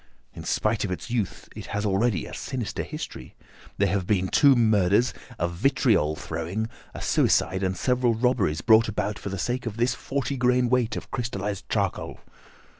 In spite of its youth, it has already a sinister history. There have been two murders, a vitriol throwing, a suicide, and several robberies brought about for the sake of this forty grain weight of crystallised charcoal.